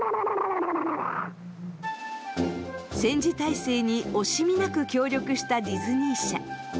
戦時体制に惜しみなく協力したディズニー社。